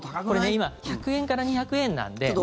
これ今１００円から２００円なんで。